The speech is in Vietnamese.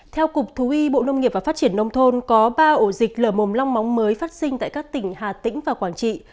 theo cục thú y bộ nông nghiệp và phát triển nông thôn có ba ổ dịch lở mồm long móng mới phát sinh tại các tỉnh hà tĩnh và quảng trị